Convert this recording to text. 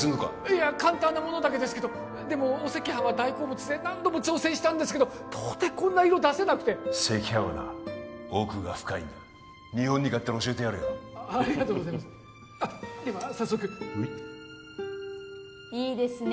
いや簡単なものだけですけどでもお赤飯は大好物で何度も挑戦したんですけど到底こんな色出せなくて赤飯はな奥が深いんだ日本に帰ったら教えてやるよありがとうございますあっでは早速いいですね